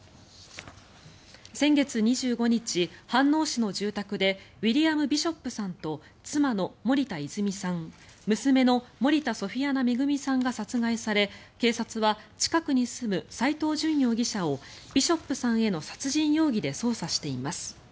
先月２５日、飯能市の住宅でウィリアム・ビショップさんと妻の森田泉さん娘の森田ソフィアナ恵さんが殺害され警察は近くに住む斎藤淳容疑者をビショップさんへの殺人容疑で捜査しています。